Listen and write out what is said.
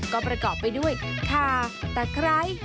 ก็ประกอบไปด้วยค่าตะคร้ายใบมะกรุษ